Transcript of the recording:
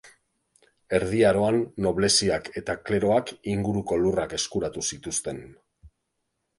Erdi Aroan nobleziak eta kleroak inguruko lurrak eskuratu zituzten.